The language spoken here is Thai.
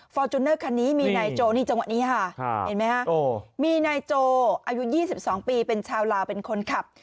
จูเนอร์คันนี้มีนายโจนี่จังหวะนี้ค่ะเห็นไหมฮะมีนายโจอายุ๒๒ปีเป็นชาวลาวเป็นคนขับ